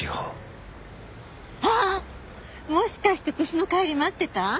もしかして私の帰り待ってた？